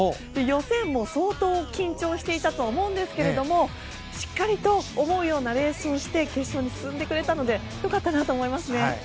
予選、相当緊張していたと思うんですがしっかりと思うようなレースをして決勝に進んでくれたのでよかったなと思いますね。